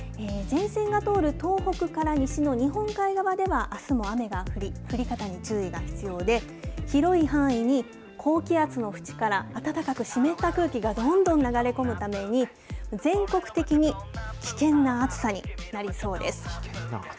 前線が通る東北から西の日本海側では、あすも雨が降り、降り方に注意が必要で、広い範囲に高気圧の縁から暖かく湿った空気がどんどん流れ込むために、全国的に危険な暑さになりそうです。